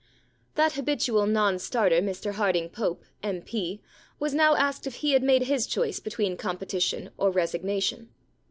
* That habitual non starter Mr Harding Pope, M.P., was now asked if he had made his choice between competition or resignation.